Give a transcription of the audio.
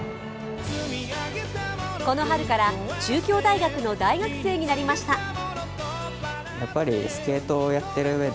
この春から中京大学の大学生になりました。